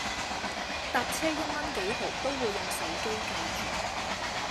搭車一蚊幾毫都會用手機計住